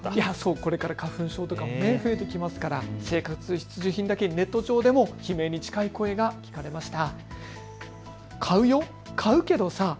これから花粉症とかも増えてきますから生活必需品だけにネット上でも悲鳴に近い声が聞かれました。